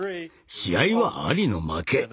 試合はアリの負け。